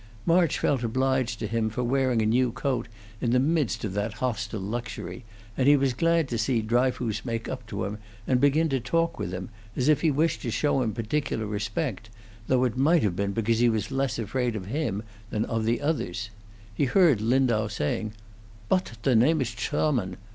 March felt obliged to him for wearing a new coat in the midst of that hostile luxury, and he was glad to see Dryfoos make up to him and begin to talk with him, as if he wished to show him particular respect, though it might have been because he was less afraid of him than of the others. He heard Lindau saying, "Boat, the name is Choarman?"